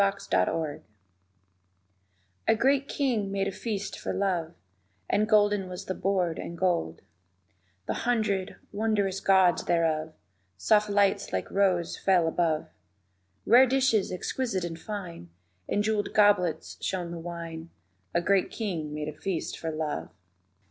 THE DISCIPLES A great king made a feast for Love, And golden was the board and gold The hundred, wondrous gauds thereof; Soft lights like roses fell above Rare dishes exquisite and fine; In jeweled goblets shone the wine A great king made a feast for Love.